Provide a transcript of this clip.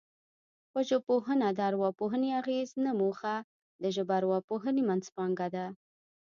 پر ژبپوهنه د ارواپوهنې اغېز نه موخه د ژبارواپوهنې منځپانګه ده